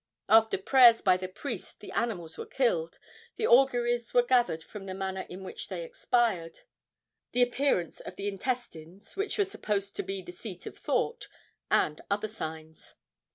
After prayers by the priest the animals were killed, and auguries were gathered from the manner in which they expired, the appearance of the intestines which were supposed to be the seat of thought and other signs.